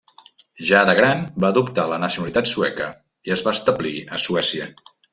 Ja de gran va adoptar la nacionalitat sueca i es va establir a Suècia.